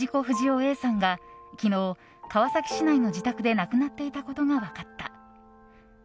不二雄Ａさんが昨日、川崎市内の自宅で亡くなっていたことが分かった。